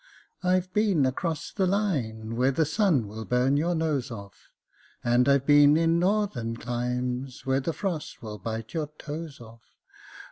I've been across the line, Where the sun will burn your nose off; And I've been in northern climes. Where the frost would bite your toes off.